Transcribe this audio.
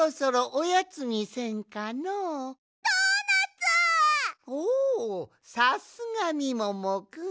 おおさすがみももくん！